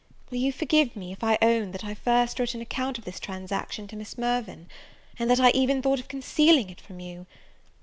Will you forgive me, if I won that I first wrote an account of this transaction to Miss Mirvan? and that I even thought of concealing it from you?